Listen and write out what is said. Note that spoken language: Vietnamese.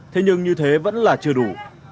thế nhưng như thế vẫn là chưa đủ